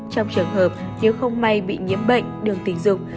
trong trường hợp nếu không may bị nhiễm bệnh đường tình dục